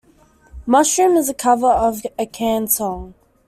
"Mushroom" is a cover of a Can song.